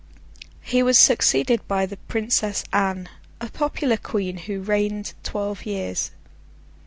He was succeeded by the Princess Anne, a popular Queen, who reigned twelve years.